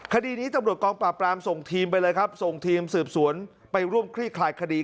คดีนี้ตำรวจกองปราบปรามส่งทีมไปเลยครับส่งทีมสืบสวนไปร่วมคลี่คลายคดี